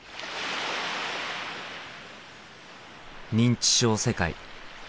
「認知症世界」。